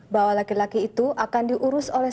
bahwa laki laki itu akan diurus oleh